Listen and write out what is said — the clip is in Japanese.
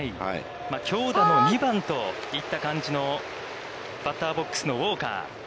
強打の２番といった感じのバッターボックスのウォーカー。